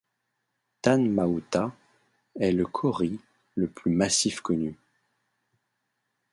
Tāne Mahuta est le kauri le plus massif connu.